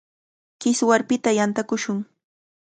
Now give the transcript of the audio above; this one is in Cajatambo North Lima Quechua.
Kiswarpita yantakushun.